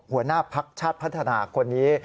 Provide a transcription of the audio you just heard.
หัวหน้าพักชาติพัฒนาคนนี้